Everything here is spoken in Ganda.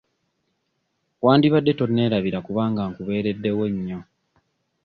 Wandibadde tonneerabira kubanga nkubeereddewo nnyo.